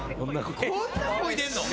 こんな漕いでんの！？